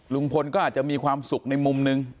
ลุงพลก็อาจจะมีความสุขในมุมหนึ่ง